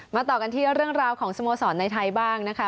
ต่อกันที่เรื่องราวของสโมสรในไทยบ้างนะคะ